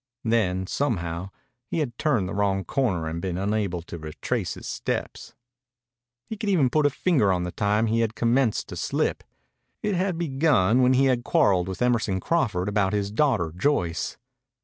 Then, somehow, he had turned the wrong corner and been unable to retrace his steps. He could even put a finger on the time he had commenced to slip. It had begun when he had quarreled with Emerson Crawford about his daughter Joyce.